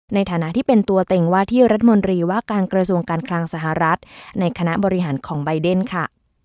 ในฐานะที่เป็นตัวเต็งว่าที่รัฐมนตรีว่าการกระทรวงการคลังสหรัฐในคณะบริหารของใบเดนค่ะ